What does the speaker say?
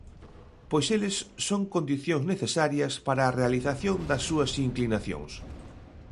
Pois eles son condicións necesarias para a realización das súas inclinacións.